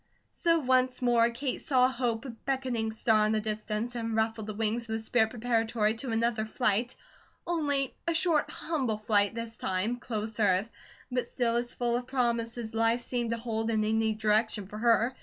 So once more Kate saw hope a beckoning star in the distance, and ruffled the wings of the spirit preparatory to another flight: only a short, humble flight this time, close earth; but still as full of promise as life seemed to hold in any direction for her.